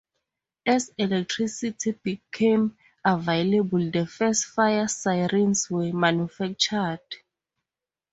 As electricity became available, the first fire sirens were manufactured.